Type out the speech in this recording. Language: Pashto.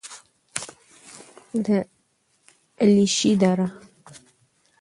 د علیشې دره: